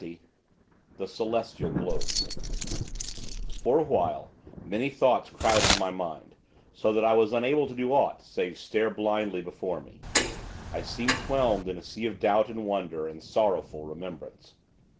XX THE CELESTIAL GLOBES For a while, many thoughts crowded my mind, so that I was unable to do aught, save stare, blindly, before me. I seemed whelmed in a sea of doubt and wonder and sorrowful remembrance.